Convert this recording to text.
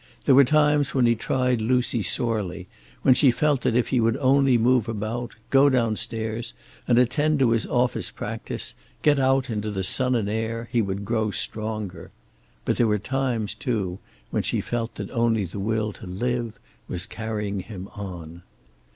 There were times when he tried Lucy sorely, when she felt that if he would only move about, go downstairs and attend to his office practice, get out into the sun and air, he would grow stronger. But there were times, too, when she felt that only the will to live was carrying him on.